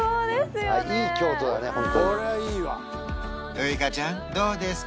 ウイカちゃんどうですか？